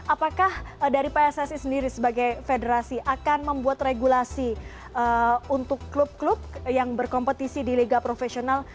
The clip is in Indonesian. apakah dari pssi sendiri sebagai federasi akan membuat regulasi untuk klub klub yang berkompetisi di liga profesional